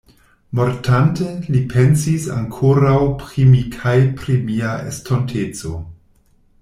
Mortante, li pensis ankoraŭ pri mi kaj pri mia estonteco.